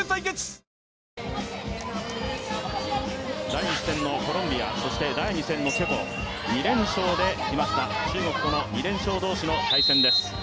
第１戦のコロンビア、第２戦のチェコ、２連勝で来ました、中国との２連勝同士の対戦です。